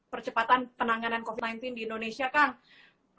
percepatan penanganan covid sembilan belas di indonesia kang